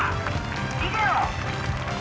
いけよ。